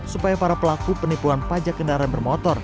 supaya para pelaku penipuan pajak kendaraan bermotor